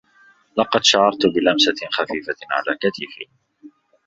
لقد شعرت بلمسة خفيفة على كتفي.